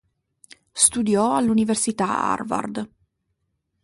Studiò all'Università Harvard.